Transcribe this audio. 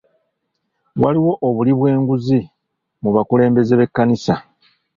Waliwo obuli bw'enguzi mu bakulembeze b'ekkanisa.